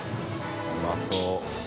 うまそう。